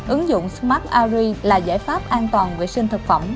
ứng dụng smart arri là giải pháp an toàn vệ sinh thực phẩm